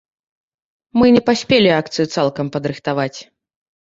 Мы не паспелі акцыю цалкам падрыхтаваць.